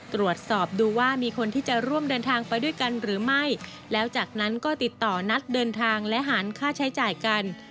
ตรวจสอบดูว่ามีคนที่จะร่วมเดินทางไปด้วยกันหรือไม่แล้วจากนั้นก็ติดต่อนัดเดินทางและหารค่าใช้จ่ายกัน